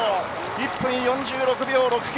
１分４６秒６９。